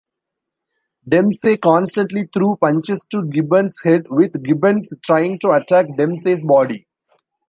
Dempsey constantly threw punches to Gibbons' head, with Gibbons trying to attack Dempsey's body.